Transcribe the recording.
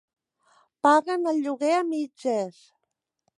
Paguen el lloguer a mitges.